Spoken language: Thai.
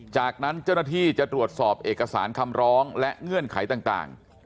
จากนั้นเจ้าหน้าที่จะตรวจสอบเอกสารคำร้องและเงื่อนไขต่าง